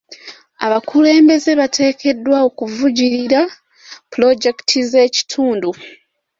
Abakulembeze bateekeddwa okuvujjirira pulojekiti z'ekitundu.